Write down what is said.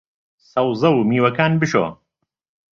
سەوزە و میوەکان بشۆ